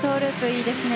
いいですね。